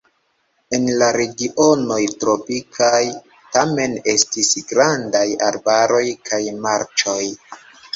En la regionoj tropikaj tamen estis grandaj arbaroj kaj marĉoj.